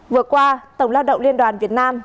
vừa qua tổng lao động liên đoàn việt nam